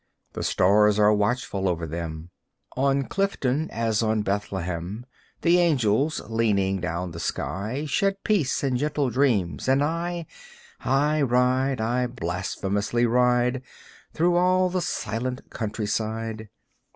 The stars are watchful over them. On Clifton as on Bethlehem The angels, leaning down the sky, Shed peace and gentle dreams. And I I ride, I blasphemously ride Through all the silent countryside.